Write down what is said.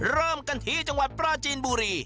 เริ่มกันที่จังหวัดปราจีนบุรี